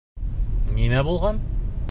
Нимә булған?